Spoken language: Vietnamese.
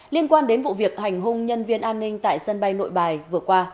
liên quan đến vụ việc hành hung nhân viên an ninh tại sân bay nội bài vừa qua